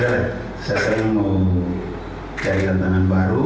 ya sudah lah saya sering mau cari tantangan baru